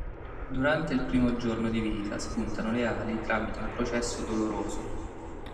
Durante il primo giorno di vita spuntano le ali tramite un processo doloroso.